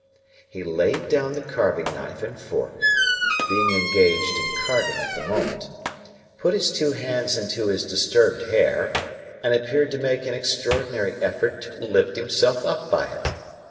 He laid down the carving knife and fork,—being engaged in carving, at the moment,—put his two hands into his disturbed hair, and appeared to make an extraordinary effort to lift himself up by it.